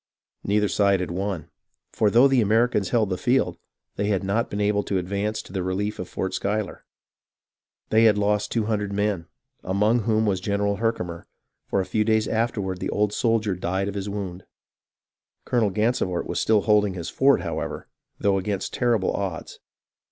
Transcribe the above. Neither side had won; for though the Americans held the field, they had not been able to advance to the relief of Fort Schuyler. They had lost two hundred men, among whom was General Herkimer, for a few days afterward the old soldier died of his wound. Colonel Gansevoort was still holding his fort, however, though against terrible odds.